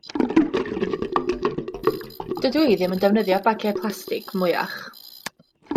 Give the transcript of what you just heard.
Dydw i ddim yn defnyddio bagiau plastig mwyach.